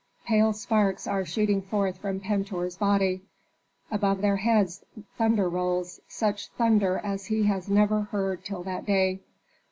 Pale sparks are shooting forth from Pentuer's body. Above their heads thunder rolls such thunder as he had never heard till that day.